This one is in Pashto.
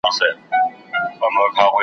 د اوړي وروستی ګلاب .